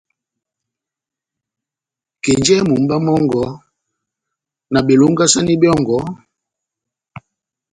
Kenjɛhɛ mumba mɔngɔ, na belongisani byɔ́ngɔ,